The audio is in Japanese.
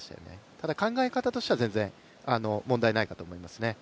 ただ考え方としては全然問題ないかと思いますね。